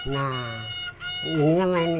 nah ini sama ini